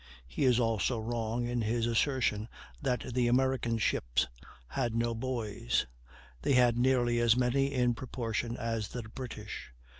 He is also wrong in his assertion that the American ships had no boys; they had nearly as many in proportion as the British.